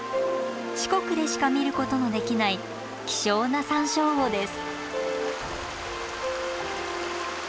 四国でしか見ることのできない希少なサンショウウオです。